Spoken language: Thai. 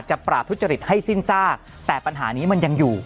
ปราบทุจริตให้สิ้นซากแต่ปัญหานี้มันยังอยู่